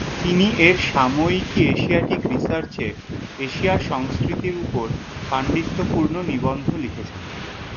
তিনি এর সাময়িকী এশিয়াটিক রিসার্চে এশিয়ার সংস্কৃতির উপর পাণ্ডিত্যপূর্ণ নিবন্ধ লিখেছেন।